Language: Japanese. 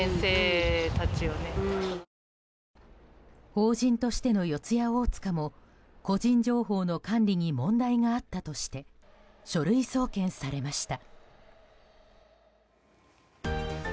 法人としての四谷大塚も個人情報の管理に問題があったとして書類送検されました。